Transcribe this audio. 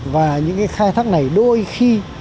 và những cái khai thác này đôi khi